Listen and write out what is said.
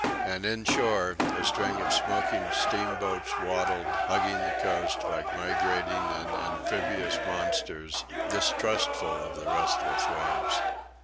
And, inshore, a string of smoking steamboats waddled, hugging the coast, like migrating and amphibious monsters, distrustful of the restless waves.